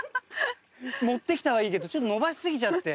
持ってきたはいいけどちょっと延ばし過ぎちゃって。